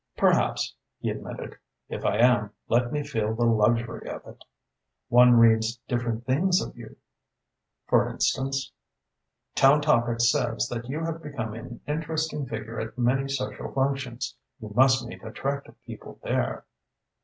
"Perhaps," he admitted. "If I am, let me feel the luxury of it." "One reads different things of you." "For instance?" "Town Topics says that you have become an interesting figure at many social functions. You must meet attractive people there."